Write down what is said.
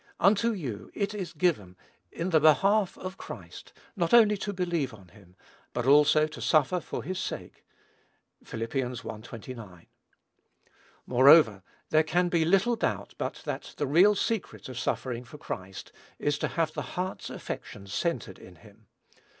"Unto you it is given, in the behalf of Christ, not only to believe on him, but also to suffer for his sake." (Phil. i. 29.) Moreover, there can be little doubt but that the real secret of suffering for Christ is to have the heart's affections centred in him.